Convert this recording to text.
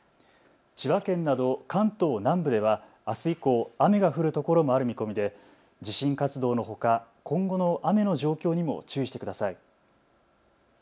千葉県など関東南部ではあす以降、雨が降るところもある見込みで地震活動のほか、今後の雨の状況にも注意してください。